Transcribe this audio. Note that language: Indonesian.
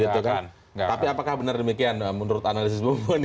tapi apakah benar demikian menurut analisis bumu ini